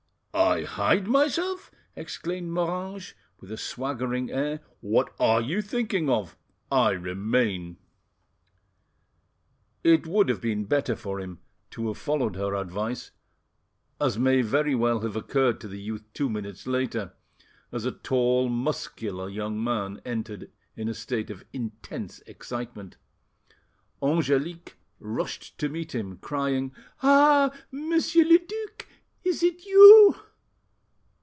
"I hide myself!" exclaimed Moranges, with a swaggering air. "What are you thinking of? I remain." It would have been better for him to have followed her advice, as may very well have occurred to the youth two minutes later, as a tall, muscular young man entered in a state of intense excitement. Angelique rushed to meet him, crying— "Ah! Monsieur le duc, is it you?"